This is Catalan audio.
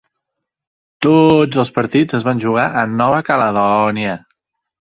Tots els partits es van jugar a Nova Caledònia.